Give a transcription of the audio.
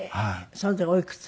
その時おいくつ？